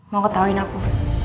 mau ketawain aku